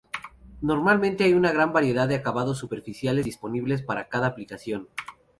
Normalmente hay una gran variedad de acabados superficiales disponibles para cada aplicación.